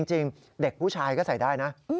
จริงเด็กผู้ชายก็ใส่ได้นะ